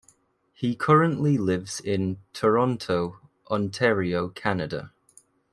He currently lives in Toronto, Ontario, Canada.